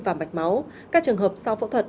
và mạch máu các trường hợp sau phẫu thuật